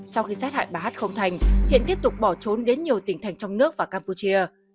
sau khi sát hại bà hát không thành hiện tiếp tục bỏ trốn đến nhiều tỉnh thành trong nước và campuchia